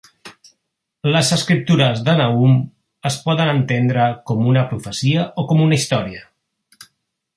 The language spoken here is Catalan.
Les escriptures de Nahum es poden entendre com una profecia o com una història.